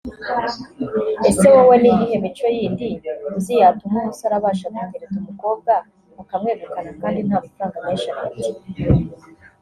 Ese wowe ni iyihe mico yindi uzi yatuma umusore abasha gutereta umukobwa akamwegukana kandi nta mafaranga menshi afite